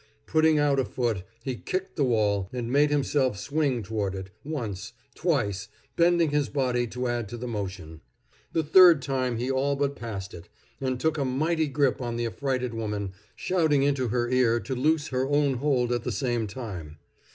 Putting out a foot, he kicked the wall, and made himself swing toward it, once, twice, bending his body to add to the motion. The third time he all but passed it, and took a mighty grip on the affrighted woman, shouting into her ear to loose her own hold at the same time.